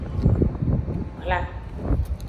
Hla.